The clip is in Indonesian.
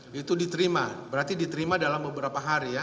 berarti diterima dalam beberapa hari ya